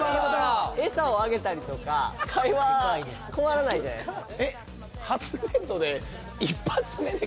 エサをあげたりとか会話困らないじゃないですか。